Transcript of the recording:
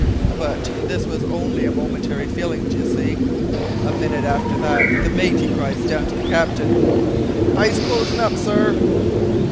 But this was only a momentary feelin', d'ye see. A minute after that the mate he cries down to the captain: "`Ice closin' up, sir!'